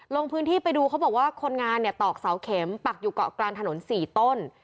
ลงพื้นที่ไปดูเขาบอกว่าคนงานเนี่ยตอกเสาเข็มปักอยู่เกาะกลางถนน๔ต้น